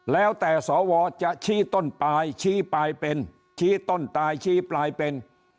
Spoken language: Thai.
แล้วแต่สวจะชี้ต้นปลายชี้ปลายเป็นชี้ต้นตายชี้ปลายเป็น